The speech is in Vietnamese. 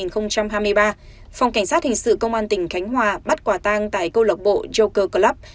phòng cảnh sát hình sự công an tỉnh khánh hòa bắt quả tang tại câu lộc bộ joker club